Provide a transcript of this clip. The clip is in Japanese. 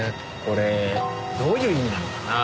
これどういう意味なのかな？